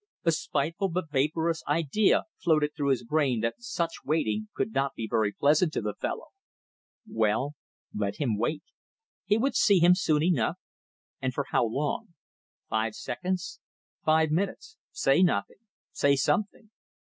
... A spiteful but vaporous idea floated through his brain that such waiting could not be very pleasant to the fellow. Well, let him wait. He would see him soon enough. And for how long? Five seconds five minutes say nothing say something.